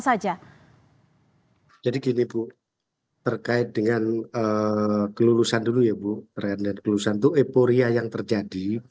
saja jadi gini bu terkait dengan kelulusan dulu ya bu ren dan kelulusan itu eporia yang terjadi